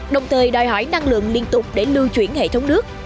đồng thời đòi hỏi năng lượng liên tục để lưu chuyển hệ thống nước